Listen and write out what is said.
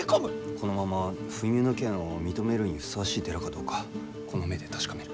このまま不入の権を認めるにふさわしい寺かどうかこの目で確かめる。